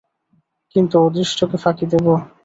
কিন্তু, অদৃষ্টকে ফাঁকি দেব।